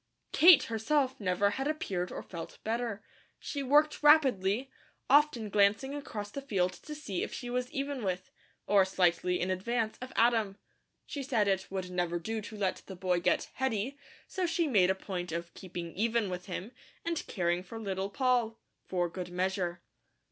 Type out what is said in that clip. Kate, herself, never had appeared or felt better. She worked rapidly, often glancing across the field to see if she was even with, or slightly in advance of Adam. She said it would never do to let the boy get "heady," so she made a point of keeping even with him, and caring for Little Poll, "for good measure."